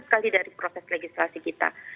sekali dari proses legislasi kita